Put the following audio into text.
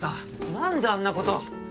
何であんなこと！